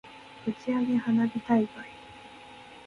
打ち上げ花火大会